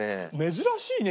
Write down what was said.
珍しいね